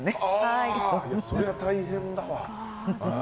それは大変だわ。